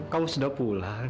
kamu sudah pulang